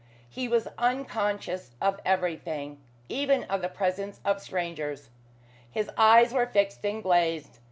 He was unconscious of everything even of the presence of strangers. His eyes were fixed and glazed.